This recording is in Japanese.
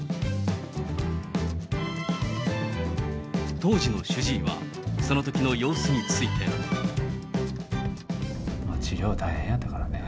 当時の主治医は、そのときの様子について。まあ治療、大変やったからね。